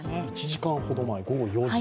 １時間ほど前、午後４時。